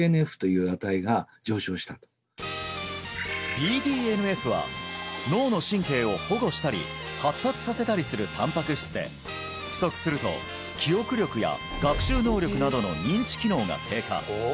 ＢＤＮＦは脳の神経を保護したり発達させたりするたんぱく質で不足すると記憶力や学習能力などの認知機能が低下